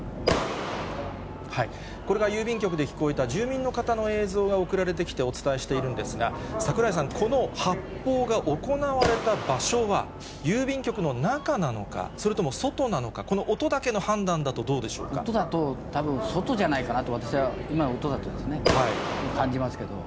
これが郵便局で聞こえた住民の方の映像が送られてきて、お伝えしているんですが、櫻井さん、この発砲が行われた場所は、郵便局の中なのか、それとも外なのか、この音だけの判断だとどう音だと、たぶん、外じゃないかなと、私は今、音だとね、感じますけども。